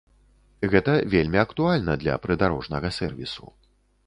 Гэта вельмі актуальна для прыдарожнага сэрвісу.